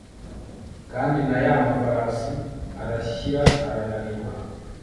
kandi na ya mafarasi arashyira arananirwa